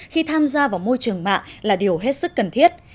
khi tham gia vào môi trường mạng là điều hết sức cần thiết